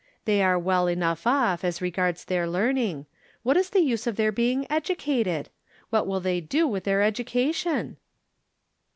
They are well enough off, as regards their learning. What is the use of their being educated ? What will they do with their educa tion?"